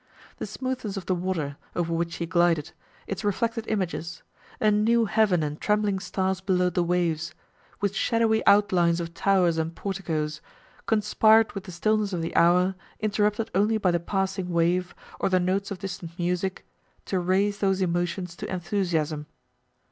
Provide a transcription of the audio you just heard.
The smoothness of the water, over which she glided, its reflected images—a new heaven and trembling stars below the waves, with shadowy outlines of towers and porticos, conspired with the stillness of the hour, interrupted only by the passing wave, or the notes of distant music, to raise those emotions to enthusiasm.